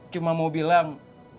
cuma mau bilang